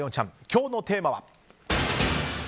今日のテーマは？